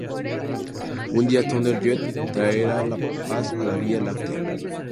Un día Thunder Jet, traerá paz a la Vía Láctea.